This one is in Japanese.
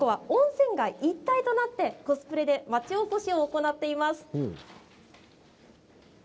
温泉街一帯となってコスプレで町おこしを行っています。